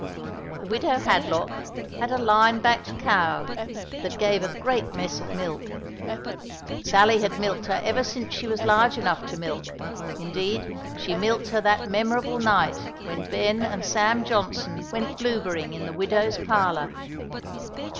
The widow Hadlock had a line backed cow, that gave a great mess of milk. Sally had milked her ever since she was large enough to milk; indeed, she milked her that memorable night when Ben and Sam Johnson went blueberrying in the widow's parlor.